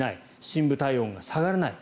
深部体温が下がらない。